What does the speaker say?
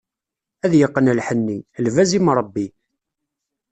Ad yeqqen lḥenni, lbaz imṛebbi.